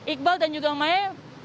iqbal dan juga mae